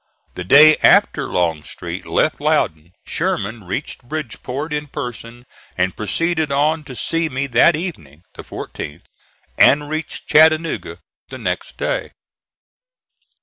The day after Longstreet left Loudon, Sherman reached Bridgeport in person and proceeded on to see me that evening, the 14th, and reached Chattanooga the next day.